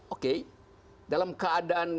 oke dalam keadaan